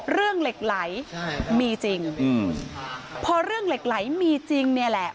เหล็กไหลมีจริงอืมพอเรื่องเหล็กไหลมีจริงเนี่ยแหละ